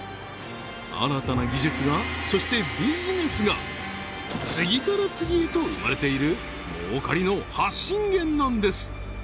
新たな技術がそしてビジネスが次から次へと生まれている儲かりの発信源なんです！